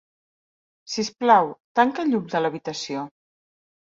Sisplau, tanca el llum de l'habitació.